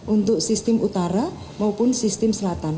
untuk sistem utara maupun sistem selatan